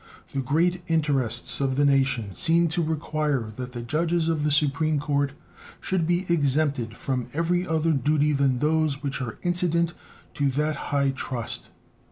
The great interests of the nation seem to require that the judges of the Supreme Court should be exempted from every other duty than those which are incident to that high trust.